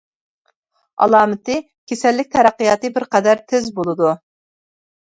ئالامىتى كېسەللىك تەرەققىياتى بىرقەدەر تېز بولىدۇ.